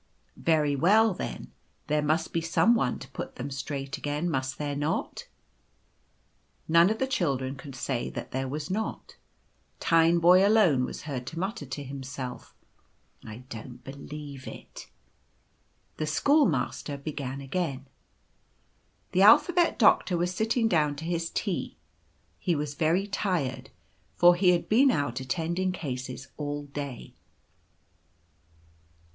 " Very well, then there must be some one to put them straight again, must there not ?" None of the children could say that there was not. Tineboy alone was heard to mutter to himself, "/ don't believe it." The schoolmaster began again —" The Alphabet Doctor was sitting down to his tea. He was very tired, for he had been out attending cases all day."